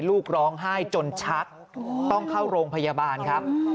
ลูกร้องไห้จนชักต้องเข้าโรงพยาบาลครับ